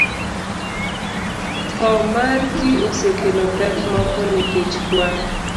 Tho mar ji osekelo pek moko nikech kwan